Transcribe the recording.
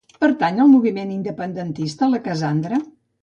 Pertany al moviment independentista la Casandra?